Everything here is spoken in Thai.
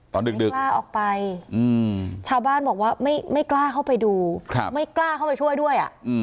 ดึกกล้าออกไปชาวบ้านบอกว่าไม่กล้าเข้าไปดูไม่กล้าเข้าไปช่วยด้วย